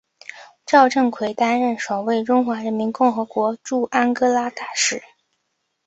赵振魁担任首位中华人民共和国驻安哥拉大使。